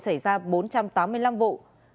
xảy ra bốn trăm tám mươi năm vụ